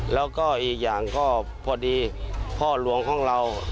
แล้วก็อีกอย่างก็พอดีพ่อหลวงของเรา